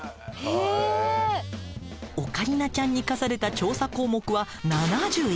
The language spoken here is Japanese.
オカリナちゃんに課された調査項目は７１個。